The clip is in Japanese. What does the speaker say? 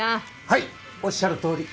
はいおっしゃるとおり。